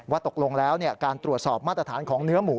ตกลงแล้วการตรวจสอบมาตรฐานของเนื้อหมู